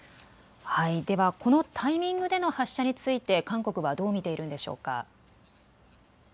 ではこのタイミングでの発射について韓国はどう見ているんでしょうか。